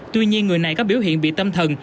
tuy nhiên người này có biểu hiện bị tâm thần